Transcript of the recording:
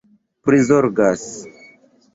prizorgas